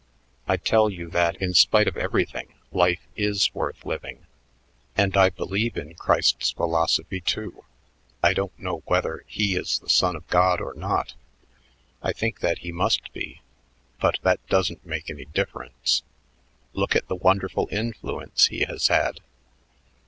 I tell you that in spite of everything life is worth living. And I believe in Christ's philosophy, too. I don't know whether He is the son of God or not I think that He must be but that doesn't make any difference. Look at the wonderful influence He has had."